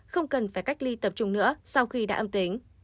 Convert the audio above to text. không cần phải cách ly tập trung nữa sau khi đã âm tính